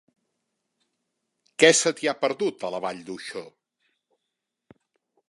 Què se t'hi ha perdut, a la Vall d'Uixó?